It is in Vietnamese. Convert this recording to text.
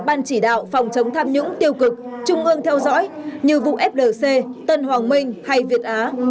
ban chỉ đạo phòng chống tham nhũng tiêu cực trung ương theo dõi như vụ flc tân hoàng minh hay việt á